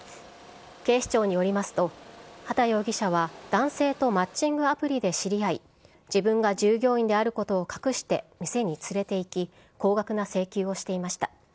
警視庁によりますと、畠容疑者は男性とマッチングアプリで知り合い、自分が従業員であることを隠して、店に連れて行き、高額な請求をしていました。